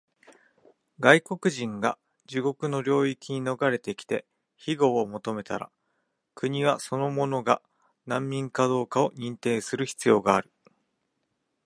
外国人が自国の領域に逃れてきて庇護を求めたら、国はその者が難民かどうかを認定する必要がある。